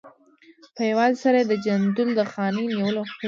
په یوازې سر یې د جندول د خانۍ د نیولو فیصله وکړه.